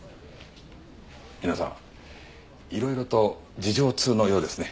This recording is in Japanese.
皆さんいろいろと事情通のようですね。